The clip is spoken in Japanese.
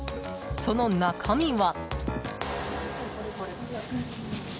その中身は。